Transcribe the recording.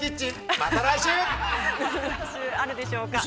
◆また来週あるでしょうか。